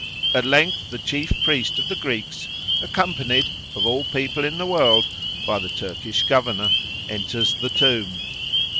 At length the chief priest of the Greeks, accompanied (of all people in the world) by the Turkish Governor, enters the tomb.